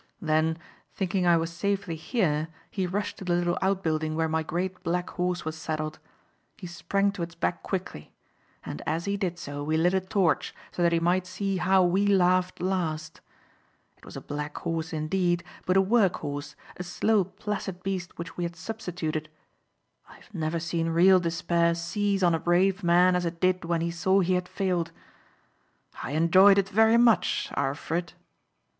"Then, thinking I was safely here he rushed to the little outbuilding where my great black horse was saddled. He sprang to its back quickly. And as he did so we lit a torch so that he might see how we laughed last. It was a black horse indeed, but a work horse, a slow placid beast which we had substituted. I have never seen real despair seize on a brave man as it did when he saw he had failed. I enjoyed it very much Arlfrit.